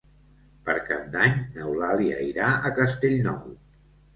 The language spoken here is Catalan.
Per Cap d'Any n'Eulàlia irà a Castellnou.